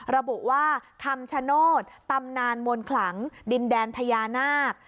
ระบุว่าคำชโนธตำนานมวลขลังดินแดนพญานาค